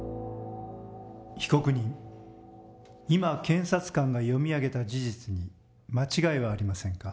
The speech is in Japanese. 被告人今検察官が読み上げた事実に間違いはありませんか？